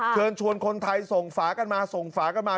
เชิญชวนคนไทยส่งฝากันมาส่งฝากันมา